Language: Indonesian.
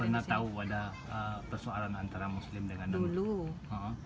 pernah tahu ada persoalan antara muslim dengan non muslim